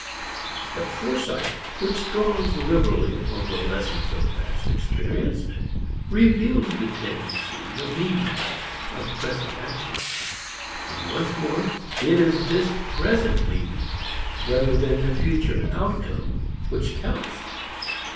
But foresight which draws liberally upon the lessons of past experience reveals the tendency, the meaning, of present action; and, once more, it is this present meaning rather than the future outcome which counts.